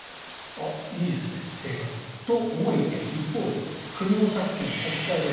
あ、いいですね、生活にはと思いきや一方で国の借金、国債です。